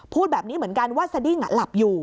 พูดแบบนี้เหมือนกันว่าสดิ้งหลับอยู่